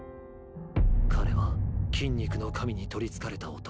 彼は「筋肉の神」に取り憑かれた男。